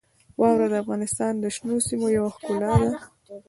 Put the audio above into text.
واوره د افغانستان د شنو سیمو یوه ښکلا ده.